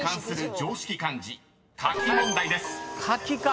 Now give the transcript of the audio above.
書きか。